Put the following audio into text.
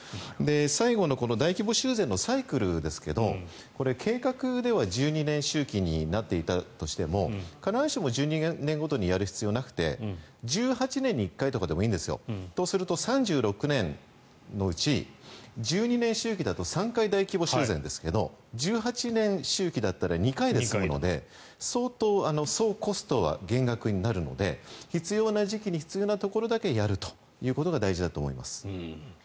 最後の大規模修繕のサイクルですが計画では１２年周期になっていたとしても必ずしも１２年ごとにやる必要はなくて１８年に１回とかでもいいんですよ。とすると３６年のうち１２年周期だと３回、大規模修繕ですが１８年周期だったら２回で済むので相当、総コストは減額になるので必要な時期に必要なところだけやるということが大事だと思います。